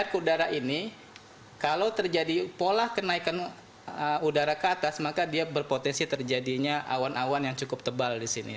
udara ini kalau terjadi pola kenaikan udara ke atas maka dia berpotensi terjadinya awan awan yang cukup tebal di sini